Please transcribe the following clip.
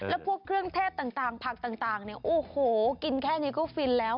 แล้วพวกเครื่องเทศต่างผักต่างเนี่ยโอ้โหกินแค่นี้ก็ฟินแล้ว